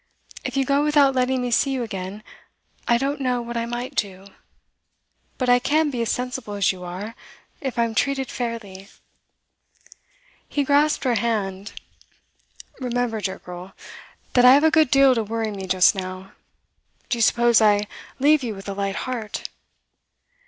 'If you go without letting me see you again, I don't know what I might do. But I can be as sensible as you are, if I'm treated fairly.' He grasped her hand. 'Remember, dear girl, that I have a good deal to worry me just now. Do you suppose I leave you with a light heart?